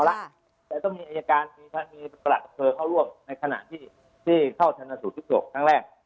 และต้องมีไข่งานประกับเคลื่อนเข้าร่วมในขณะที่เข้าชนะสูตรพิกษพรครั้งแรก